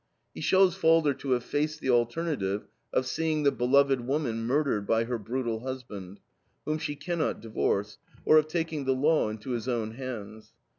He shows Falder to have faced the alternative of seeing the beloved woman murdered by her brutal husband, whom she cannot divorce; or of taking the law into his own hands.